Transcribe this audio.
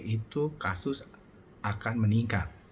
itu kasus akan meningkat